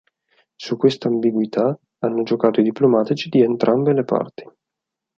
Su questa ambiguità hanno giocato i diplomatici di entrambe le parti.